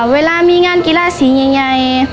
เวลามีงานกิจราศีย์ใหญ่